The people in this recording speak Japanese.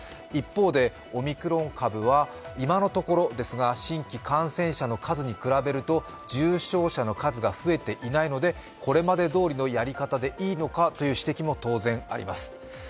一方で、オミクロン株は今のところですが新規感染者の数に比べると重症者の数が増えていないので、これまでどおりのやり方でいいのかという指摘も、当然あります。